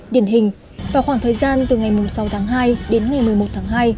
điển hình vào khoảng thời gian từ ngày sáu tháng hai đến ngày một mươi một tháng hai